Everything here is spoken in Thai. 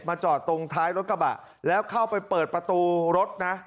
จอดตรงท้ายรถกระบะแล้วเข้าไปเปิดประตูรถนะ